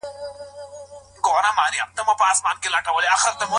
د خلعي په اساس دواړه څنګه سره بيليږي؟